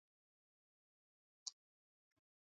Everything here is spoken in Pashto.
ولایتونه د ځمکې د جوړښت یوه نښه ده.